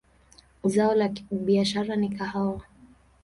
Zao la biashara ni kahawa.